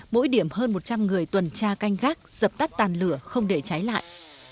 mỗi điểm hơn một trăm linh người tuần tra canh gác dập tắt tàn lửa không để cháy lại